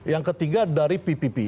yang ketiga dari ppp